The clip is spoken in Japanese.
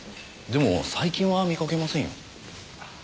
でも最近は見かけませんよ。